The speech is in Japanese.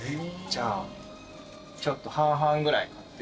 じゃあちょっと半々ぐらい。